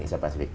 iya asia pasifik